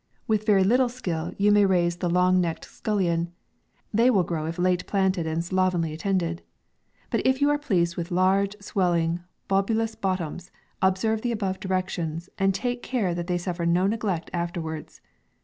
With very little skill, you may raise the long necked scuilion ; they will grow if late plan ted, and slovenly attended. But if you arc pleased with large, swelling, bulbous bot toms, observe the above directions, and take care that they suffer no neglect afterwards.